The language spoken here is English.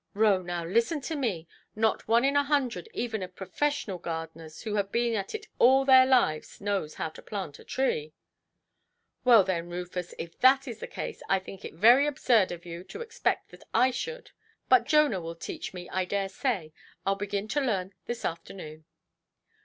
"Roe, now listen to me. Not one in a hundred even of professional gardeners, who have been at it all their lives, knows how to plant a tree". "Well, then, Rufus, if that is the case, I think it very absurd of you to expect that I should. But Jonah will teach me, I dare say. Iʼll begin to learn this afternoon".